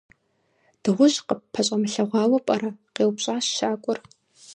- Дыгъужь къыпӏэщӏэмылъэгъуауэ пӏэрэ? - къеупщӏащ щакӏуэр.